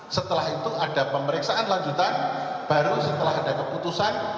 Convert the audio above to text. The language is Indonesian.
setelah itu ada pemeriksaan lanjutan baru setelah ada keputusan